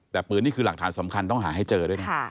แต่ปืนนี่คือหลักฐานสำคัญต้องหาให้เจอด้วยนะ